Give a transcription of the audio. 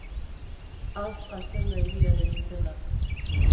A-Z hasten da hiriaren izena.